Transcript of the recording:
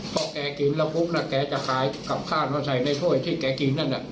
พอแกกินแล้วปุ๊บนะแกจะขายกับข้าวมาใส่ในถ้วยที่แกกินนั่นน่ะ